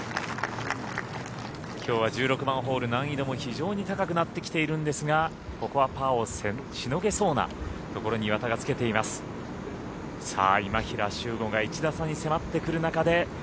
きょうは１６番ホール難易度も非常に高くなっているんですがここはパーをしのげそうなところに大丈夫ですか？